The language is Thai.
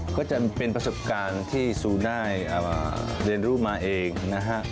ก็จะเป็นประสบการณ์ที่ซูได้เรียนรู้มาเองนะฮะ